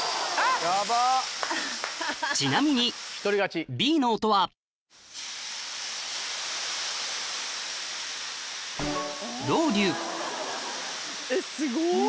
ちなみにＢの音はえっすごっ。